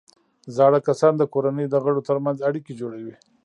زاړه کسان د کورنۍ د غړو ترمنځ اړیکې جوړوي